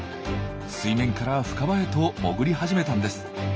水面から深場へと潜り始めたんです。